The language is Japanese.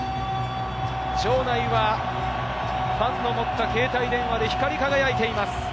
場内はファンの持った携帯電話で光り輝いています。